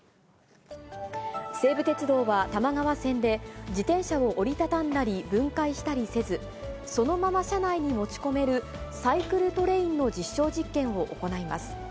西武鉄道は多摩川線で、自転車を折り畳んだり、分解したりせず、そのまま車内に持ち込めるサイクルトレインの実証実験を行います。